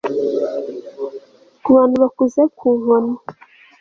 Kubantu bakuze ku nkoni